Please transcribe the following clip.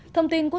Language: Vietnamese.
thông tin quốc tế